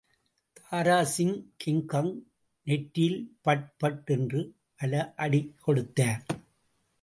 Dara Singh King Kong நெற்றியில் பட்பட் என்று பல அடிகொடுத்தார்.